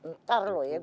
ncer lu ya